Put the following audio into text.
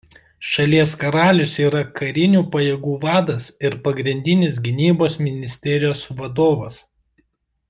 Šalies karalius yra karinių pajėgų vadas ir pagrindinis gynybos ministerijos vadovas.